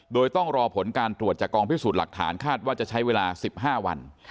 โดยต้องรอผลการตรวจจากกองพิสูจน์หลักฐานคาดว่าจะใช้เวลา๑๕วัน